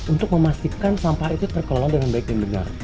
untuk memastikan sampah itu terkelola dengan baik dan benar